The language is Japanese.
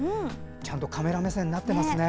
ちゃんとカメラ目線になってますね。